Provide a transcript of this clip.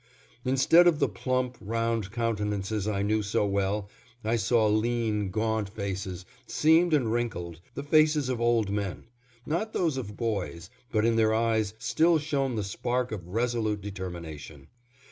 Instead of the plump, round countenances I knew so well, I saw lean, gaunt faces, seamed and wrinkled, the faces of old men, not those of boys, but in their eyes still shone the spark of resolute determination.